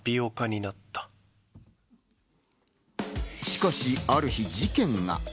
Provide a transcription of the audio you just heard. しかし、ある日、事件が。